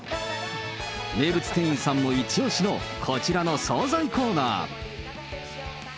名物店員さんも一押しのこちらの総菜コーナー。